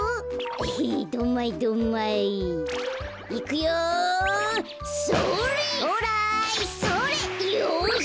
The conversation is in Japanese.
よし。